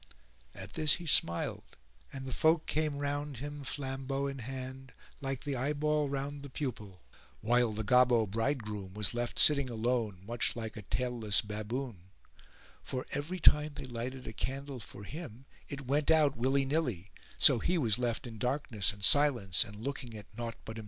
At this he smiled and the folk came round him, flambeaux in hand like the eyeball round the pupil, while the Gobbo bridegroom was left sitting alone much like a tail less baboon; for every time they lighted a candle for him it went out willy nilly, so he was left in darkness and silence and looking at naught but himself.